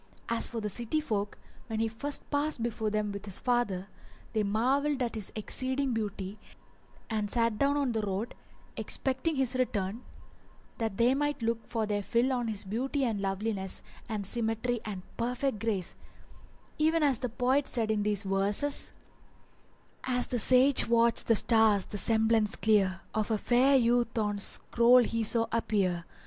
As for the city folk, when he first passed before them with his father, they marvelled at his exceeding beauty and sat down on the road expecting his return, that they might look their fill on his beauty and loveliness and symmetry and perfect grace; even as the poet said in these verses:— As the sage watched the stars, the semblance clear Of a fair youth on 's scroll he saw appear.